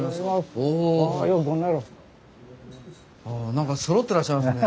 あ何かそろってらっしゃいますね。